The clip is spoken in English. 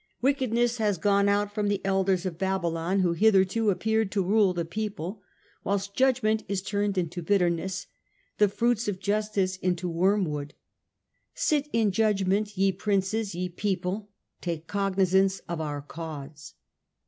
Wickedness has gone out from the Elders of Babylon, who hitherto appeared to rule the people, whilst judgment is turned into bitterness, the fruits of justice into wormwood. Sit in judgment, ye Princes, ye People take cognizance of our cause."